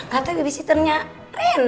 katanya babysitternya keren